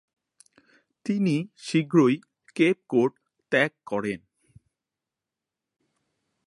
তিনি শীঘ্রই Cape Cod ত্যাগ করেন।